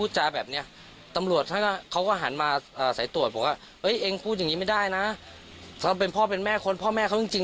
ใช่เขาเป็นพ่อแม่จริง